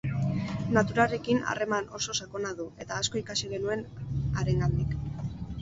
Naturarekin harreman oso sakona du, eta asko ikasi genuen harengandik.